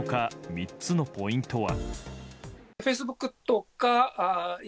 ３つのポイントは。